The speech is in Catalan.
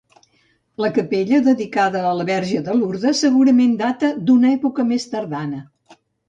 La capella, dedicada a la Verge de Lourdes, segurament data d'una època més tardana.